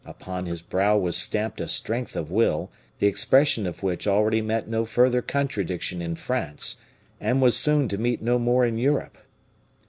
Upon his brow was stamped a strength of will, the expression of which already met no further contradiction in France, and was soon to meet no more in Europe.